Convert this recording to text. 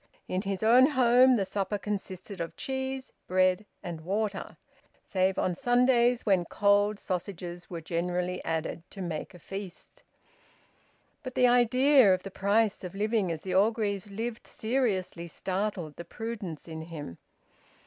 In his own home the supper consisted of cheese, bread, and water, save on Sundays, when cold sausages were generally added, to make a feast. But the idea of the price of living as the Orgreaves lived seriously startled the prudence in him.